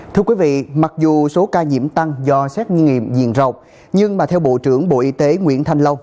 thưa quý vị mặc dù số ca nhiễm tăng do xét nghiệm diện rộng nhưng mà theo bộ trưởng bộ y tế nguyễn thanh lâu